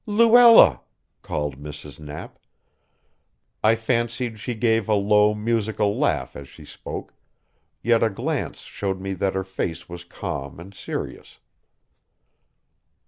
"Luella!" called Mrs. Knapp. I fancied she gave a low, musical laugh as she spoke, yet a glance showed me that her face was calm and serious.